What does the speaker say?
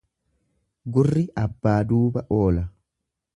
Gurri abbaa duuba oola.